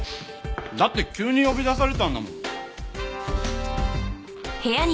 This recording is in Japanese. だって急に呼び出されたんだもん。